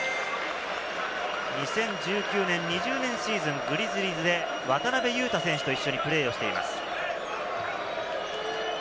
２０１９年、２０年シーズン、グリズリーズで渡邊雄太選手と一緒にプレーしています。